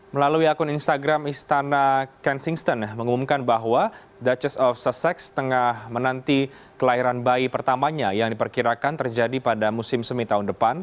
melalui akun instagram istana kensingston mengumumkan bahwa duchess of sussex tengah menanti kelahiran bayi pertamanya yang diperkirakan terjadi pada musim semi tahun depan